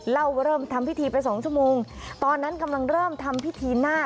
เล่าว่าเริ่มทำพิธีไปสองชั่วโมงตอนนั้นกำลังเริ่มทำพิธีหน้า